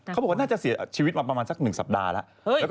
เขาบอกว่าน่าจะเสียชีวิตมาประมาณสัก๑สัปดาห์แล้ว